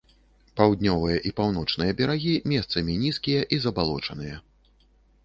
Паўднёвыя і паўночныя берагі месцамі нізкія і забалочаныя.